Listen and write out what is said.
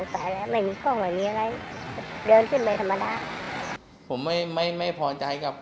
ผมไม่โมรัสกับการทำงาน